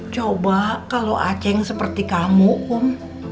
coba kalau aceh yang seperti kamu kum